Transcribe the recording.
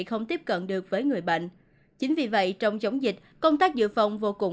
không tiếp cận được với người bệnh chính vì vậy trong chống dịch công tác dự phòng vô cùng